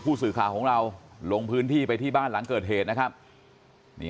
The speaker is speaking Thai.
ผู้สื่อข่าวของเราลงพื้นที่ไปที่บ้านหลังเกิดเหตุนะครับ